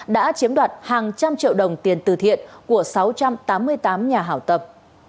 đã chiếm đoạt hàng trăm triệu đồng tiền từ thiện của sáu trăm tám mươi tám nhà hảo tâm